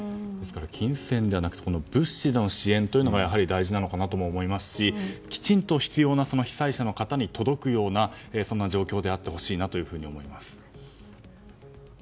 金銭ではなくて物資の支援が大事なのかなとも思いますしきちんと必要な被災者の方に届くようなそんな状況であってほしいなと思います。